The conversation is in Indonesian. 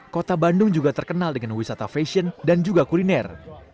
kota bandung juga terkenal dengan wisata fashion dan juga kuliner